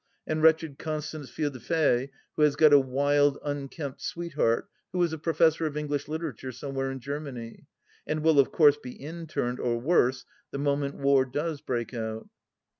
And " wretched Con stance Fille de Fay," who has got a wild, tmkempt sweet heart who is a professor of English literature somewhere in Germany, and will, of course, be interned, or worse, the mo ment war does break out.